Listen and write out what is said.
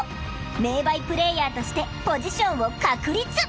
名バイプレーヤーとしてポジションを確立！